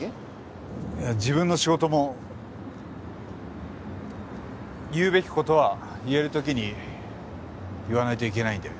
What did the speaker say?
自分の仕事も言うべき事は言える時に言わないといけないんで。